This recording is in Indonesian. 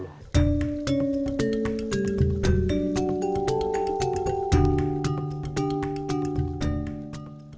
pura mangkunegaran merupakan istana untuk kandipaten mangkunegaran